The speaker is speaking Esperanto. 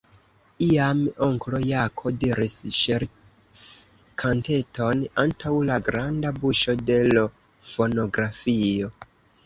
Iam onklo Jako diris ŝerckanteton antaŭ la granda buŝo de l' fonografilo.